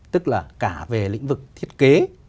tức là cả về lĩnh vực thiết kế